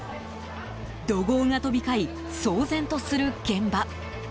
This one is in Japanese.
怒号が飛び交い騒然とする現場。